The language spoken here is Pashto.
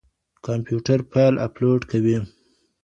کمپيوټر فايل اپلوډ کوي.